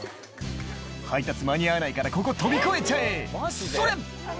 「配達間に合わないからここ跳び越えちゃえそれ！」